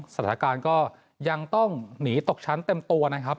สถานการณ์ก็ยังต้องหนีตกชั้นเต็มตัวนะครับ